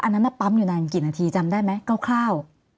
อันนั้นน่ะปั๊มอยู่ไม่นานกี่นาทีจำได้ไหมเก่า